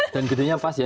dan gedenya pas ya